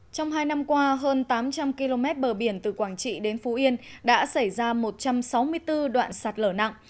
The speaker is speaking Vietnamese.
trong hai năm qua hơn tám trăm linh km bờ biển từ quảng trị đến phú yên đã xảy ra một trăm sáu mươi bốn đoạn sạt lở nặng